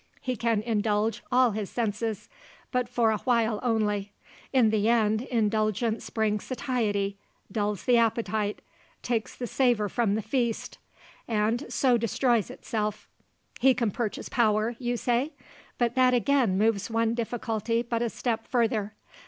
He can indulge all his senses, but for a while only; in the end indulgence brings satiety, dulls the appetite, takes the savour from the feast, and so destroys itself. He can purchase power, you say? But that again moves one difficulty but a step further.